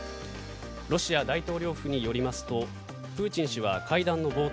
ロシア大統領府によりますとプーチン氏は会談の冒頭